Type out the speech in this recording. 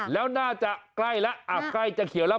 แล้วน่าจะใกล้แล้วใกล้จะเขียวแล้ว